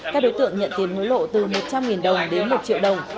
các đối tượng nhận tiền hối lộ từ một trăm linh đồng đến một triệu đồng